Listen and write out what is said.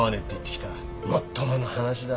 もっともな話だ。